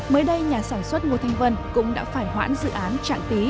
mới đây nhà sản xuất ngô thanh vân cũng đã phải hoãn dự án trạng tí